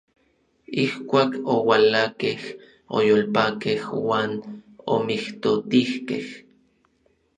Ijkuak oualakej, oyolpakej uan omijtotijkej.